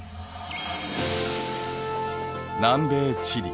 南米チリ。